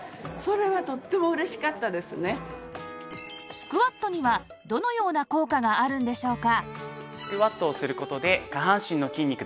スクワットにはどのような効果があるんでしょうか？